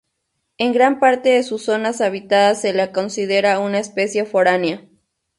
En gran parte de sus zonas habitadas se la considera una especie foránea.